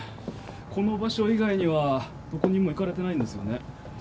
この場所以外にはどこにも行かれてないんですよね？